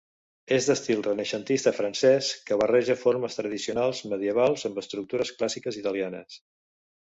És d'estil renaixentista francès, que barreja formes tradicionals medievals amb estructures clàssiques italianes.